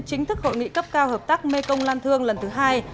chính thức hội nghị cấp cao hợp tác mê công lan thương lần thứ hai